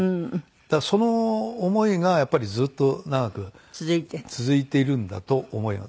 だからその思いがやっぱりずっと長く続いているんだと思います。